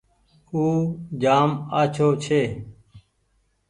او جآم آڇو ڇي۔